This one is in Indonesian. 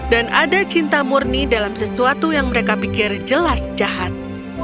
dan ada cinta murni dalam sesuatu yang mereka pikir jelas jahat